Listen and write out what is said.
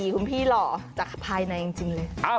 คุณพี่หล่อจากภายในจริงเลย